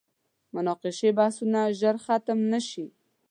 مناقشې بحثونه ژر ختم نه شي.